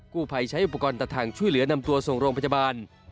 ผู้ภัยใช้อุปกรณ์ตัดทางช่วยเหลือนำตัวส่งโรงพยาบาล